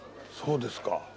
そうですか。